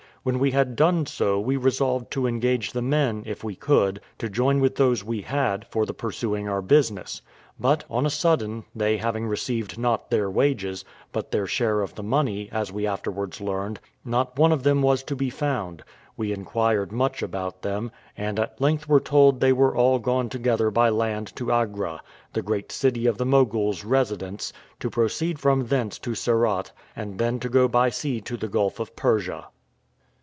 When we had done so we resolved to engage the men, if we could, to join with those we had, for the pursuing our business; but, on a sudden, they having received not their wages, but their share of the money, as we afterwards learned, not one of them was to be found; we inquired much about them, and at length were told that they were all gone together by land to Agra, the great city of the Mogul's residence, to proceed from thence to Surat, and then go by sea to the Gulf of Persia.